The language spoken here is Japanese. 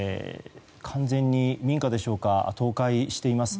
完全に民家でしょうか倒壊しています。